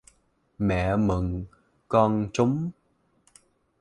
Mẹ mừng con trúng